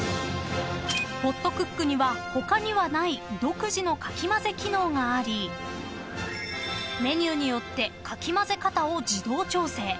［ホットクックには他にはない独自のかき混ぜ機能がありメニューによってかき混ぜ方を自動調整］